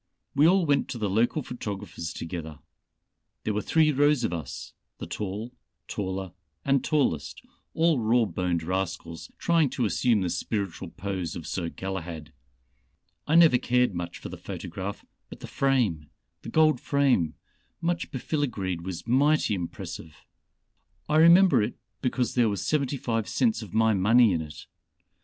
We all went to the local photographers together. There were three rows of us the tall, taller and tallest all raw boned rascals trying to assume the spiritual pose of Sir Galahad. I never cared much for the photograph, but the frame the gold frame much befiligreed was mighty impressive. I remember it because there was seventy five cents of my money in it.